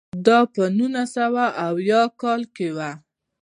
دا په نولس سوه اویاووه کال کې و.